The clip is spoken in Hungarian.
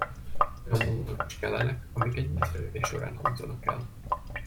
Olyan mondatok is kellenek, amik egy beszélgetés során hangzanak el.